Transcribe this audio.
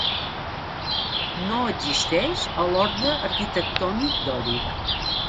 No existeix a l'orde arquitectònic dòric.